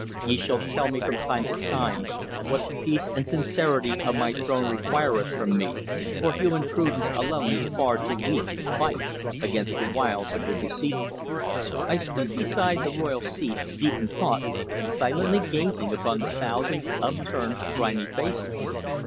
Ye shall tell me from time to time what the peace and sincerity of my throne requireth from me, for human prudence alone is far too weak to fight against the wiles of the deceitful." I stood beside the royal seat, deep in thought, silently gazing upon the thousand upturned, grimy faces.